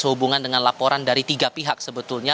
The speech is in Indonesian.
sehubungan dengan laporan dari tiga pihak sebetulnya